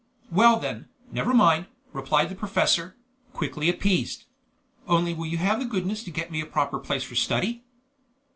"Well then, never mind," replied the professor, quickly appeased; "only will you have the goodness to get me a proper place for study?"